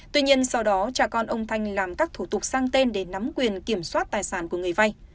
tuy nhiên sau đó cha con ông thanh làm các thủ tục sang tên để nắm quyền kiểm soát tài sản của người vay